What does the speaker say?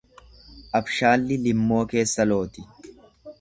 Abshaalli limmoo keessa looti.